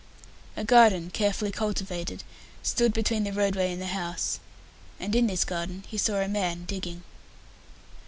A garden carefully cultivated, stood between the roadway and the house, and in this garden he saw a man digging.